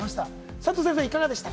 齋藤先生、いかがでしたか？